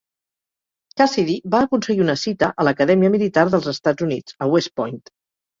Cassidy va aconseguir una cita a l'Acadèmia Militar dels Estats Units a West Point.